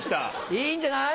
いいんじゃない。